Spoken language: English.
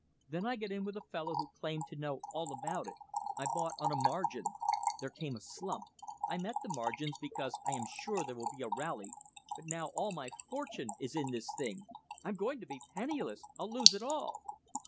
Then I got in with a fellow who claimed to know all about it. I bought on a margin. There came a slump. I met the margins because I am sure there will be a rally, but now all my fortune is in the thing. I'm going to be penniless. I'll lose it all."